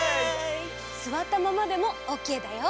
すわったままでもオッケーだよ。